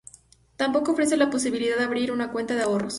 Tampoco ofrece la posibilidad de abrir una cuenta de ahorros.